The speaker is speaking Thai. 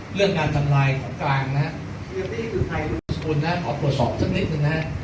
เรื่องการสำลายของกลางนะฮะขอตรวจสอบสักนิดหนึ่งนะฮะ